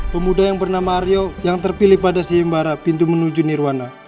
pemuda yang bernama aryo yang terpilih pada siembara pintu menuju nirwana